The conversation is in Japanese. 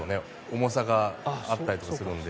重さがあったりとかするので。